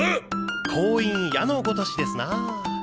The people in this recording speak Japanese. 光陰矢のごとしですなぁ。